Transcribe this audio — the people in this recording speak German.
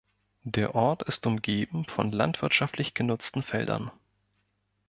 Der Ort ist umgeben von landwirtschaftlich genutzten Feldern.